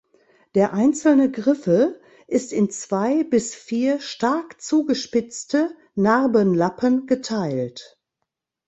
Der einzelne Griffel ist in zwei bis vier stark zugespitzte Narbenlappen geteilt.